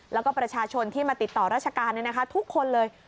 แล้วก็ประชาชนที่มาติดต่อราชการทุกคนเลย